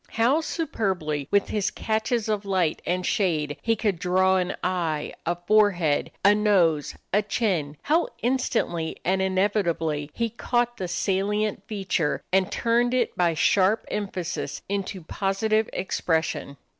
How superbly with his catches of light and shade he could draw an eye, a forehead, a nose, a chin! How instantly and inevitably he caught the salient feature and turned it by sharp emphasis into positive expression!